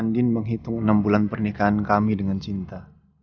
andin menghitung enam bulan pernikahan kami dengan cinta